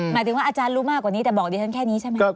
หมายถึงว่าอาจารย์รู้มากกว่านี้แต่บอกดิฉันแค่นี้ใช่ไหมครับ